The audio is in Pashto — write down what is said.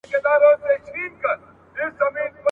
له جاپان تر اروپا مي تجارت دی !.